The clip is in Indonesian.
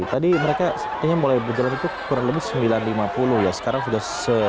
tadi mereka mulai berjalan itu kurang lebih sembilan lima puluh sekarang sudah sepuluh dua puluh dua